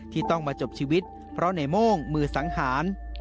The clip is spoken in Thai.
ที่ต้องมาจบชีวิตเพราะในโม่งมือสังหาร